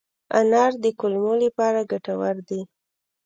انار د کولمو لپاره ګټور دی.